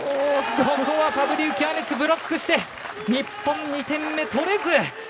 ここはパブリウキアネツブロックして日本２点目取れず。